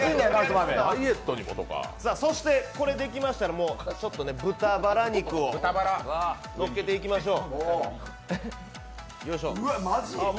これができましたら豚バラ肉をのっけていきましょう。